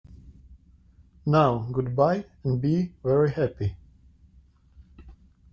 Now, good-bye, and be very happy!